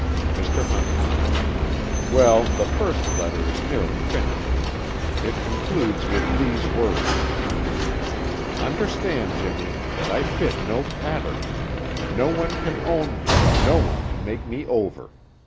MR. HUNTER: Well, the first letter is nearly finished. It concludes with these words: "Understand, Jimmy, that I fit no pattern. No one can own me, no one can make me over.